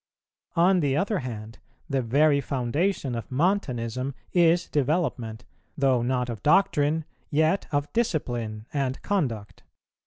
On the other hand the very foundation of Montanism is development, though not of doctrine, yet of discipline and conduct.